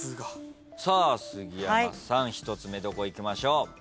さあ杉山さん１つ目どこいきましょう？